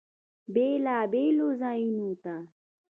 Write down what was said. بیلابیلو ځایونو ته